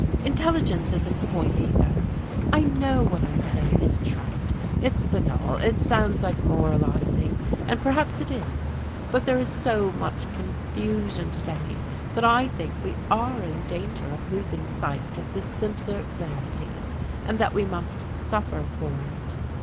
Intelligence isn't the point, either. I know what I'm saying is trite, it's banal, it sounds like moralizing, and perhaps it is, but there is so much confusion to day that I think we are in danger of losing sight of the simpler verities, and that we must suffer for it.